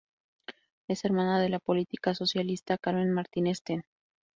Es hermana de la política socialista Carmen Martínez Ten.